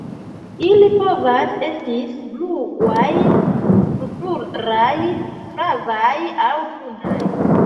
Ili povas estis bluaj, purpuraj, flavaj aŭ brunaj.